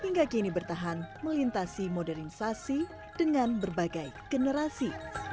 hingga kini bertahan melintasi modernisasi dengan berbagai generasi